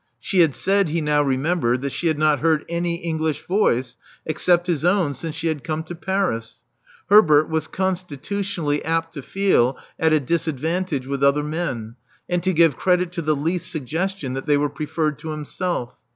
She had said, he now remembered, that she had not heard any English voice except his own since she had come to Paris. Herbert was constitutionally apt to feel at a disadvantage with other men, and to give credit to the least suggestion that they were preferred to him self.